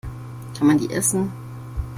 Kann man die essen?